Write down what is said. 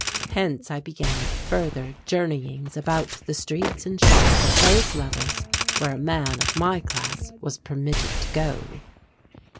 Hence I began further journeyings about the streets and shops of those levels where a man of my class was permitted to go.